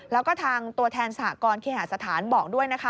แล้วก็ทางตัวแทนสหกรณเคหาสถานบอกด้วยนะคะ